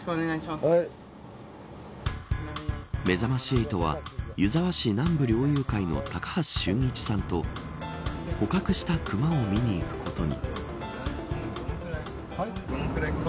めざまし８は湯沢市南部猟友会の高橋俊一さんと捕獲した熊を見に行くことに。